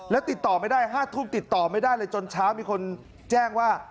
แล้วติดต่อไม่ได้๕ทุ่มติดต่อไม่ได้เลยจนเช้ามีคนแจ้งว่า